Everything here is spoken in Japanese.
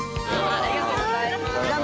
ありがとうございます。